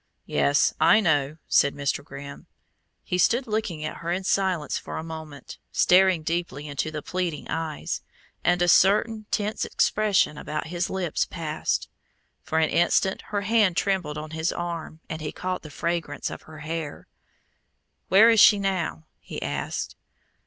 "Yes, I know," said Mr. Grimm. He stood looking at her in silence for a moment, staring deeply into the pleading eyes; and a certain tense expression about his lips passed. For an instant her hand trembled on his arm, and he caught the fragrance of her hair. "Where is she now?" he asked.